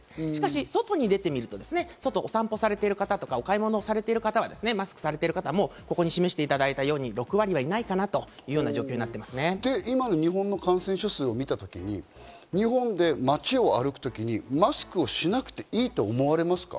しかし、外に出てみると、お散歩をされている方とか、お買い物をされている方はマスクをされている方もここに示していただいたように６割はいないかなというような今の日本の感染者数を見た時に日本で街を歩く時にマスクをしなくていいと思われますか？